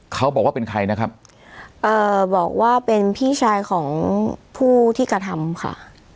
เขาบอกว่าเป็นใครนะครับเอ่อบอกว่าเป็นพี่ชายของผู้ที่กระทำค่ะ